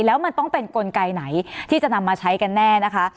แล้วมันต้องเป็นกลไกไหนที่จะนำมาใช้กันแน่นะคะ